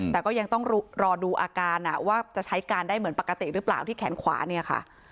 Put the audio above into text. แต่ก็ยังต้องรอดูอาการว่าจะใช้การได้เหมือนปกติหรือเปล่าที่แขนขวาเนี่ยค่ะ